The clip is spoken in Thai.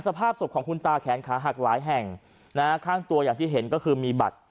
สภาพศพของคุณตาแขนขาหักหลายแห่งนะฮะข้างตัวอย่างที่เห็นก็คือมีบัตร